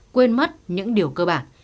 quên mất những điều cơ bản